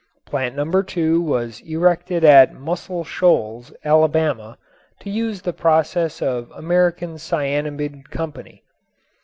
Plant No. 2 was erected at Muscle Shoals, Alabama, to use the process of the American Cyanamid Company.